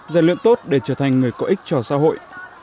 dành lượng tốt để trở thành người có ích cho xã hội